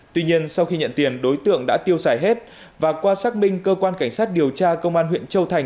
tuy nhiên sau khi nhận tiền đối tượng đã tiêu xài hết và qua xác minh cơ quan cảnh sát điều tra công an huyện châu thành